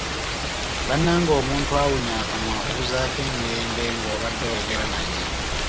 Bannange omuntu awunnya akamwa akubuuzaako emirembe ng'obade oyogera naye!